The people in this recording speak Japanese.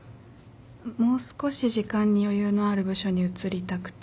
もう少し時間に余裕のある部署に移りたくて。